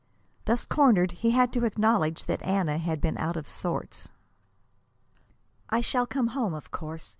Thus cornered, he had to acknowledge that Anna had been out of sorts. "I shall come home, of course.